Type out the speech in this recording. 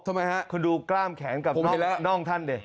ทำไมฮะผมได้แล้วคุณดูกล้ามแข็งกับน้องท่านเนี่ย